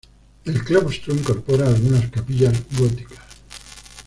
El claustro incorpora algunas capillas góticas.